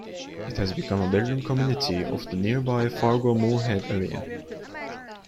It has become a bedroom community of the nearby Fargo-Moorhead area.